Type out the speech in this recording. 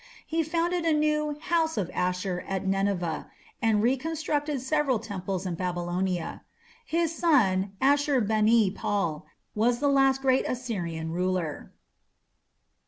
He founded a new "house of Ashur" at Nineveh, and reconstructed several temples in Babylonia. His son Ashur bani pal was the last great Assyrian ruler.